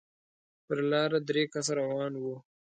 پر لاره درې کسه روان وو.